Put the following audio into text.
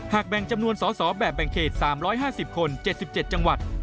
หากแบ่งจำนวนศแบ่งเขต๓๕๐คน๗๗จังหวัด